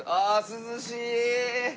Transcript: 涼しい！